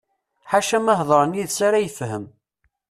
Ḥaca ma hedren yid-s ara yefhem.